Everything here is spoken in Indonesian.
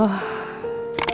aku gak bisa tidur semalaman